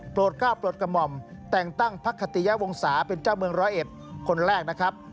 ก้าวโปรดกระหม่อมแต่งตั้งพักคติยวงศาเป็นเจ้าเมืองร้อยเอ็ดคนแรกนะครับ